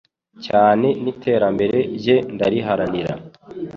cyane n'iterambere rye ndariharanira